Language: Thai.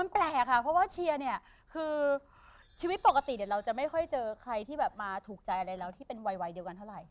แปลกค่ะเพราะว่าเชียร์เนี่ยคือชีวิตปกติเดี๋ยวเราจะไม่ค่อยเจอใครที่แบบมาถูกใจอะไรแล้วที่เป็นวัยเดียวกันเท่าไหร่